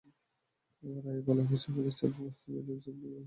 রায়ে বলা হয়েছে, আমাদের দাবি বাস্তবায়ন করতে আইনগত কোনো বাধা নেই।